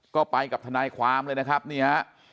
ก็ไปกับทนายความเลยนะครับนี่ฮะ